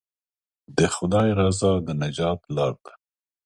د خدای رضا د نجات لاره ده.